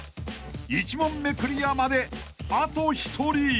［１問目クリアまであと１人］